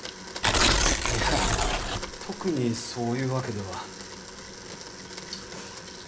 いや特にそういうわけでは。